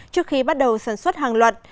trước khi bắt đầu sản xuất hàng loạt